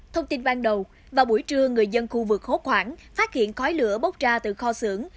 thông tin ban đầu vào buổi trưa người dân khu vực hốt khoảng phát hiện khói lửa bốc ra từ kho xưởng